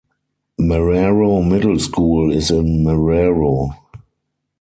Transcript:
Marrero Middle School is in Marrero.